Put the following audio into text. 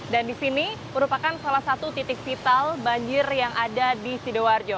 dan di sini merupakan salah satu titik vital banjir yang ada di sidoarjo